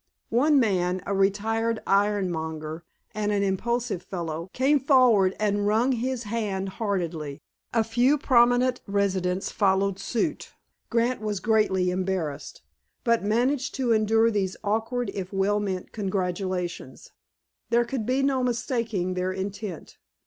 One man, a retired ironmonger and an impulsive fellow, came forward and wrung his hand heartily. A few prominent residents followed suit. Grant was greatly embarrassed, but managed to endure these awkward if well meant congratulations. There could be no mistaking their intent.